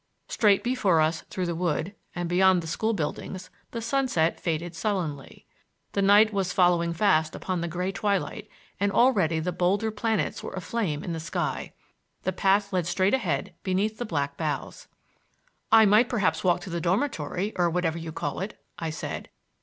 Straight before us through the wood and beyond the school buildings the sunset faded sullenly. The night was following fast upon the gray twilight and already the bolder planets were aflame in the sky. The path led straight ahead beneath the black boughs. "I might perhaps walk to the dormitory, or whatever you call it," I said.